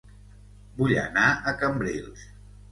Vull anar a Cambrils